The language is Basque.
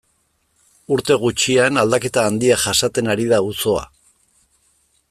Urte gutxian aldaketa handiak jasaten ari da auzoa.